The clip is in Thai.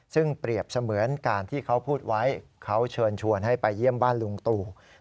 ซึ่งเปรียบเสมือนการที่เขาพูดไว้เขาเชิญชวนให้ไปเยี่ยมบ้านลุงตู่